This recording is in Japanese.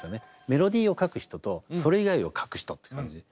メロディーを書く人とそれ以外を書く人って感じで。